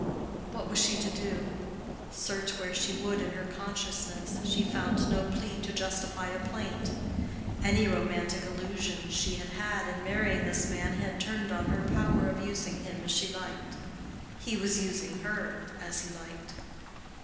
What was she to do? Search where she would in her consciousness, she found no plea to justify a plaint. Any romantic illusions she had had in marrying this man had turned on her power of using him as she liked. He was using her as he liked.